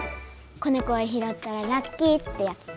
「子ねこをひろったらラッキー」ってやつ。